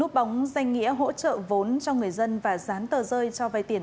nút bóng dành nghĩa hỗ trợ vốn cho người dân và rán tờ rơi cho vay tiền